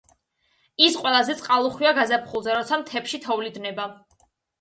ის ყველაზე წყალუხვია გაზაფხულზე, როცა მთებში თოვლი დნება.